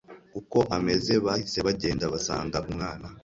uko ameze bahise bagenda basanga umwana